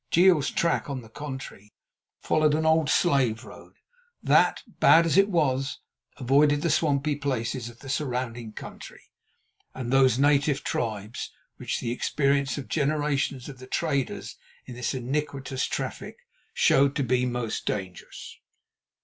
Jeel's track, on the contrary, followed an old slave road that, bad as it was, avoided the swampy places of the surrounding country, and those native tribes which the experience of generations of the traders in this iniquitous traffic showed to be most dangerous.